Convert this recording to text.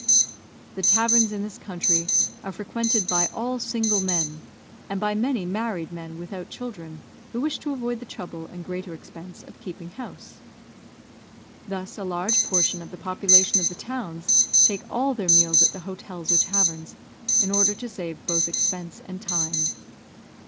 The taverns in this country are frequented by all single men, and by many married men without children, who wish to avoid the trouble and greater expense of keeping house. Thus a large portion of the population of the towns take all their meals at the hotels or taverns, in order to save both expense and time.